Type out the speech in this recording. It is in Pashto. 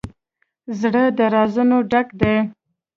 زړه د رازونو ډک دی.